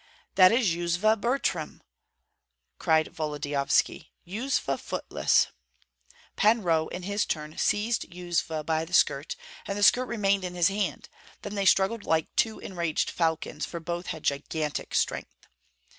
"That is Yuzva Butrym," cried Volodyovski, "Yuzva Footless!" Pan Roh in his turn seized Yuzva by the skirt, and the skirt remained in his hand; then they struggled like two enraged falcons, for both had gigantic strength.